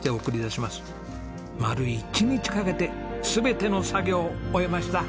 丸一日かけて全ての作業を終えました。